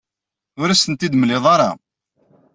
Ur as-tent-id-temliḍ ara.